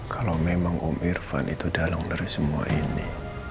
kalau memang om irfan itu dalang dari semua ini